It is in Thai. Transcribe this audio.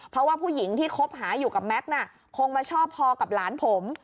เพราะว่าผู้หญิงที่คบหาอยู่กับแม็กซ์น่ะคงมาชอบพอกับหลานผม